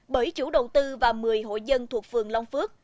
bởi chủ đầu tư và một mươi hộ dân thuộc phường long phước